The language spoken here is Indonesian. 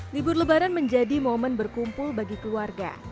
libur lebaran menjadi momen berkumpul bagi keluarga